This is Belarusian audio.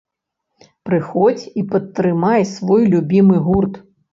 Прыходзь і падтрымай свой любімы гурт!